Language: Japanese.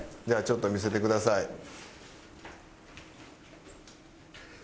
じゃあちょっと見せてください。